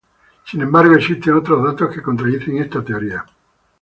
Sin embargo, existen otros datos que contradicen esta teoría.